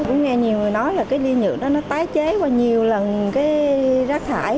cũng nghe nhiều người nói là cái ly nhựa đó nó tái chế qua nhiều lần cái rác thải